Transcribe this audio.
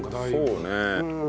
そうね。